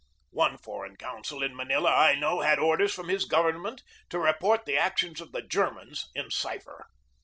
One foreign consul in Manila, I know, had orders from his government to report the actions of the Germans in cipher.